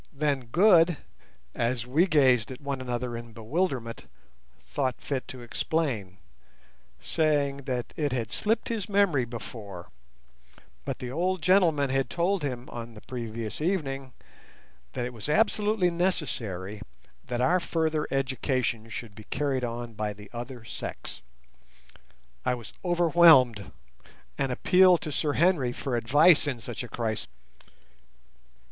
Then Good, as we gazed at one another in bewilderment, thought fit to explain, saying that it had slipped his memory before—but the old gentlemen had told him, on the previous evening, that it was absolutely necessary that our further education should be carried on by the other sex. I was overwhelmed, and appealed to Sir Henry for advice in such a crisis.